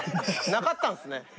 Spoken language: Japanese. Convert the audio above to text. なかったんですね。